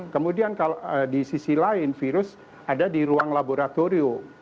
kemudian kalau di sisi lain virus ada di ruang laboratorium